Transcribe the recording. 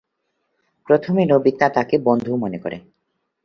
প্রথমে নোবিতা তাকে বন্ধু মনে করে।